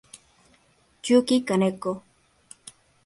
Yūki Kaneko